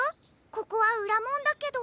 ここはうらもんだけど。